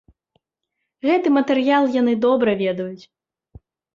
Гэты матэрыял яны добра ведаюць.